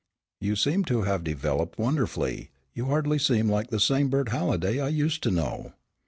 "You seem to have developed wonderfully, you hardly seem like the same Bert Halliday I used to know."